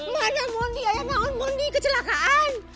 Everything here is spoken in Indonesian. mana mondi ayah naon mondi kecelakaan